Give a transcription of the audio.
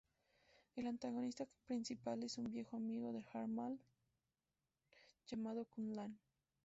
El antagonista principal es un viejo amigo de Harman llamado Kun Lan.